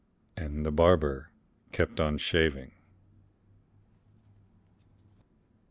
And the barber kept on shaving.